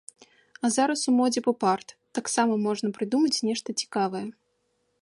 А зараз у модзе поп-арт, таксама можна прыдумаць нешта цікавае.